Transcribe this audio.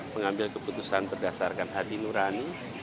mengambil keputusan berdasarkan hati nurani